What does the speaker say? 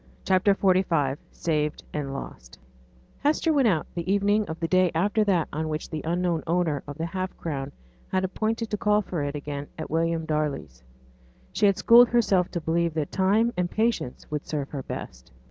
CHAPTER XLV SAVED AND LOST Hester went out on the evening of the day after that on which the unknown owner of the half crown had appointed to call for it again at William Darley's. She had schooled herself to believe that time and patience would serve her best.